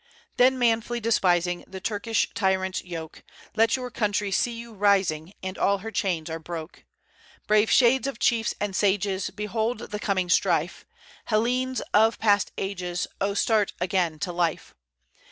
"Then manfully despising The Turkish tyrant's yoke, Let your country see you rising, And all her chains are broke. Brave shades of chiefs and sages, Behold the coming strife! Hellenes of past ages Oh, start again to life!